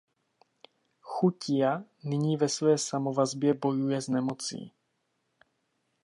Chu Ťia nyní ve své samovazbě bojuje s nemocí.